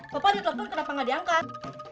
papa di laptop kenapa nggak diangkat